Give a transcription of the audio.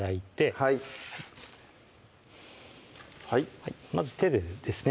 はいまず手でですね